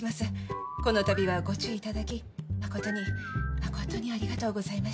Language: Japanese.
このたびはご注意いただき誠に誠にありがとうございました。